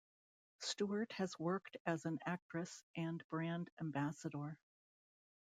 Stewart has worked as an actress and brand ambassador.